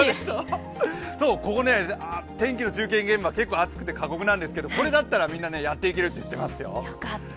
そう、天気の中継現場、結構暑くて過酷なんですけどこれだったら、みんなやっていけるって言ってますよ。